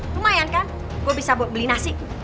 lumayan kan gue bisa beli nasi